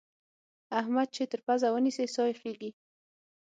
احمد چې تر پزه ونيسې؛ سا يې خېږي.